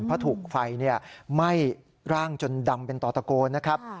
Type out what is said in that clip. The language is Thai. เพราะถูกไฟไหม้ร่างจนดำเป็นต่อตะโกนนะครับ